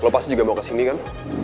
kalau pasti juga mau kesini kan